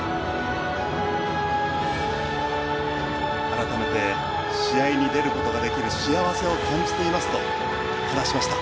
改めて試合に出ることができる幸せを感じていますと話しました。